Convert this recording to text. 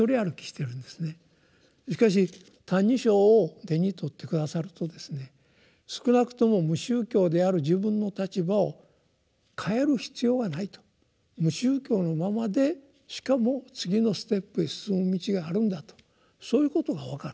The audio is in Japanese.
しかし「歎異抄」を手に取って下さるとですね少なくとも無宗教である自分の立場を変える必要はないと無宗教のままでしかも次のステップへ進む道があるんだとそういうことが分かる。